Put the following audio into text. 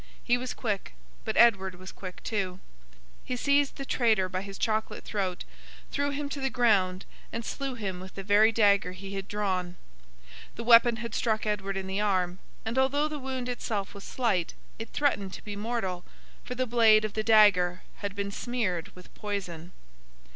He was quick, but Edward was quick too. He seized the traitor by his chocolate throat, threw him to the ground, and slew him with the very dagger he had drawn. The weapon had struck Edward in the arm, and although the wound itself was slight, it threatened to be mortal, for the blade of the dagger had been smeared with poison.